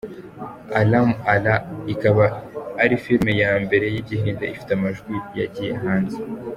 Alam Ara, ikaba ari filime ya mbere y’igihinde ifite amajwi yagiye hanze.